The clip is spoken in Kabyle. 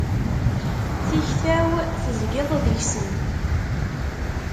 Tikta-w, tezgiḍ deg-sen.